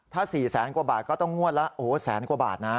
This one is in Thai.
ถ้า๔แสนกว่าบาทก็ต้องงวดละโอ้โหแสนกว่าบาทนะ